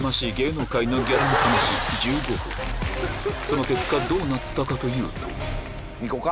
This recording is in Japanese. その結果どうなったかというと行こか。